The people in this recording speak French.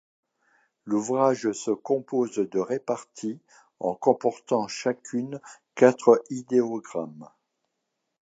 L'ouvrage se compose de répartis en comportant chacune quatre idéogrammes.